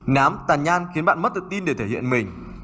nám tàn nhan khiến bạn mất tự tin để thể hiện mình